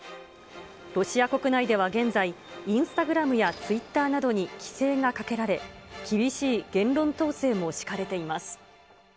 ロシア国内では現在、インスタグラムやツイッターなどに規制がかけられ、厳しい言論統制も敷かれています。